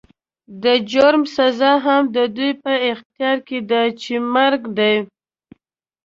د جرم سزا هم د دوی په اختيار کې ده چې مرګ دی.